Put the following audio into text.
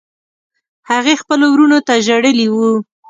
هغې خپلو وروڼو ته ژړلي ول.